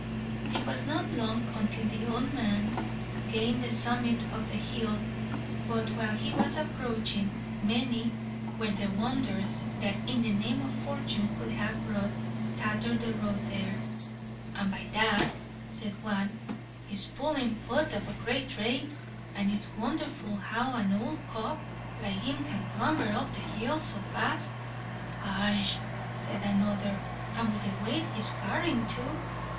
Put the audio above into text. It was not long until the old man gained the summit of the hill, but while he was approaching, many were the "wonders" what in the name of fortune could have brought Tatther the Road there. "And by dad," said one, "he's pullin' fut at a great rate, and it's wondherful how an owld cock like him can clamber up the hill so fast." "Aye," said another, "and with the weight he's carrying too."